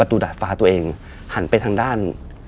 ตูดาดฟ้าตัวเองหันไปทางด้าน